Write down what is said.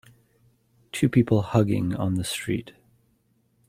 Two people hugging on the street.